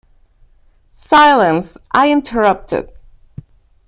‘Silence!’ I interrupted.